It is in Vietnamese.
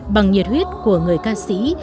bằng nhiệt huyết của người ca sĩ